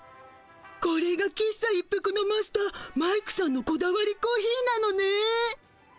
これが喫茶一服のマスターマイクさんのこだわりコーヒーなのね。